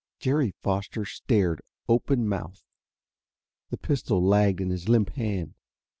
Jerry Foster stared, open mouthed. The pistol lagged in his limp hand.